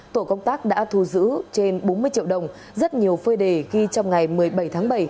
tổ công tác đã thu giữ trên bốn mươi triệu đồng rất nhiều phơi đề ghi trong ngày một mươi bảy tháng bảy